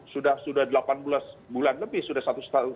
sudah delapan belas bulan lebih sudah satu lima tahun